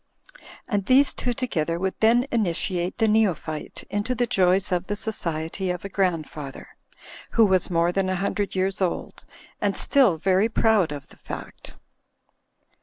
*' And these two together would then initiate the neophyte into the joys of the society of a grandfather, who was more than a hundred years old, and still very proud of the fact.